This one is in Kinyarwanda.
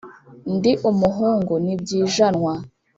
Ndi umuhungu ntibyijanwa.